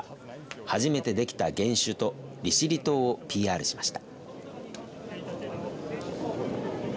初めて出来た原酒と利尻島をＰＲしました。